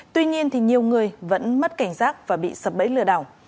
tuy nhiên thì nhiều người vẫn mất cảnh giác và bị sập bẫy lừa đảo